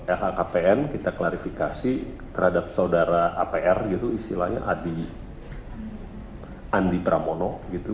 lhkpn kita klarifikasi terhadap saudara apr istilahnya andi pramono